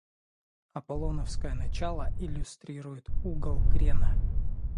Аполлоновское начало иллюстрирует угол крена.